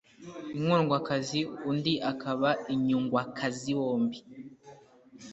inkundwakazi undi akaba inyungwakazi bombi